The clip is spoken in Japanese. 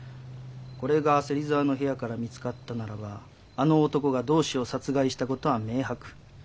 これが芹沢の部屋から見つかったならばあの男が同志を殺害した事は明白。